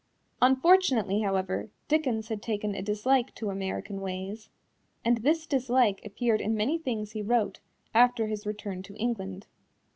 Unfortunately, however, Dickens had taken a dislike to American ways, and this dislike appeared in many things he wrote after his return to England.